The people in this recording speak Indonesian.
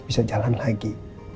bisa jalan lagi